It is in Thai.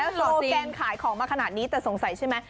สอดสแกนขายของมาขนาดนี้แต่สงสัยใช่ไหม